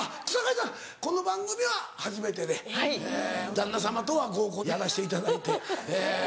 旦那様とは合コンやらしていただいて。